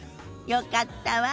よかったわ。